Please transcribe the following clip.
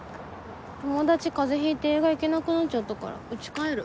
友達風邪ひいて映画行けなくなっちゃったから家帰る。